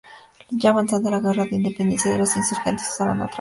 Ya avanzada la Guerra de Independencia los insurgentes usaron otra bandera.